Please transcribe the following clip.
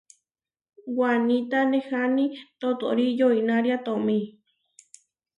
Waníta neháni totóri yoinária tomí.